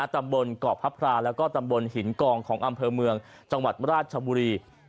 ตำบลเกาะพระพราแล้วก็ตำบลหินกองของอำเภอเมืองจังหวัดราชบุรี